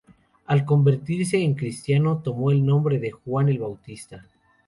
Al convertirse en cristiano tomo el nombre de Juan el Bautista.